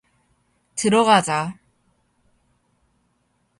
들어가자.